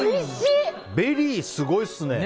ベリー、すごいですね。